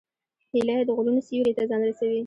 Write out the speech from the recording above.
هیلۍ د غرونو سیوري ته ځان رسوي